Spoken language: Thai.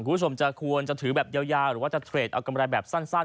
คุณผู้ชมจะควรจะถือแบบยาวหรือว่าจะเทรดเอากำไรแบบสั้น